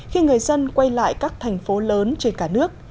khi người dân quay lại các thành phố lớn trên cả nước